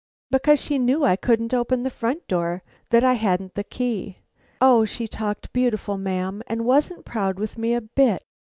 "Because she knew I couldn't open the front door; that I hadn't the key. O she talked beautiful, ma'am, and wasn't proud with me a bit.